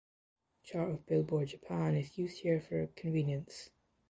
Chart of Billboard Japan is used here for convenience.